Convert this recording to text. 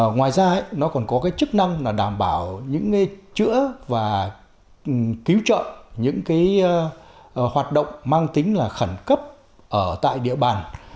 ngoài ra nó còn có cái chức năng là đảm bảo những chữa và cứu trợ những hoạt động mang tính là khẩn cấp ở tại địa bàn